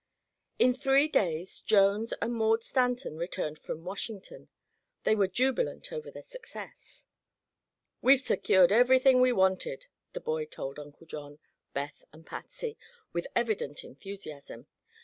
In three days Jones and Maud Stanton returned from Washington. They were jubilant over their success. "We've secured everything we wanted," the boy told Uncle John, Beth and Patsy, with evident enthusiasm.